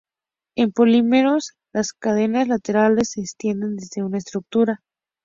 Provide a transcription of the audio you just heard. En polímeros, las cadenas laterales se extienden desde una estructura "esqueleto".